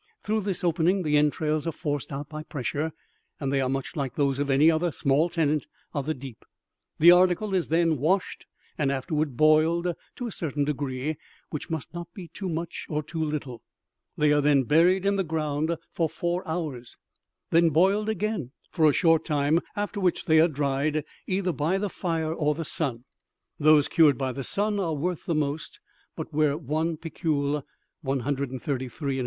Through this opening the entrails are forced out by pressure, and they are much like those of any other small tenant of the deep. The article is then washed, and afterward boiled to a certain degree, which must not be too much or too little. They are then buried in the ground for four hours, then boiled again for a short time, after which they are dried, either by the fire or the sun. Those cured by the sun are worth the most; but where one picul (133 1/3 lbs.)